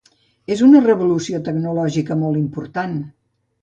És una revolució tecnològica molt important.